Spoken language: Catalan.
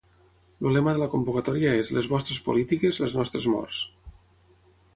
El lema de la convocatòria és Les vostres polítiques, les nostres morts.